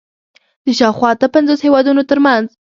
د شاوخوا اته پنځوس هېوادونو تر منځ